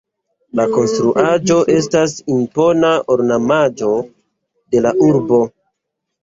La konstruaĵo estas impona ornamaĵo de la urbo.